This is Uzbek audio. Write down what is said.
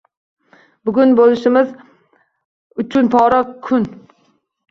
Bugun bo`limimiz uchun qora kun